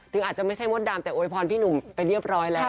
อาจจะไม่ใช่มดดำแต่โวยพรพี่หนุ่มไปเรียบร้อยแล้ว